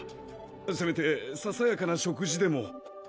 せめてささやかな食事でも。